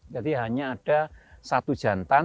jadi hanya ada satu jantan di kelompoknya dengan satu jantan